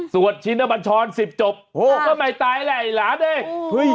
สวดชิ้นน้ำบันช้อนสิบจบโหก็ไม่ตายแหล่ะไอ้หลานเนี่ย